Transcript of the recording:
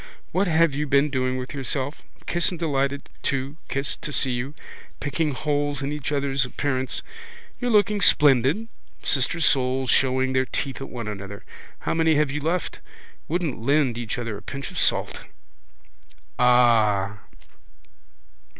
What have you been doing with yourself? Kiss and delighted to, kiss, to see you. Picking holes in each other's appearance. You're looking splendid. Sister souls. Showing their teeth at one another. How many have you left? Wouldn't lend each other a pinch of salt. Ah!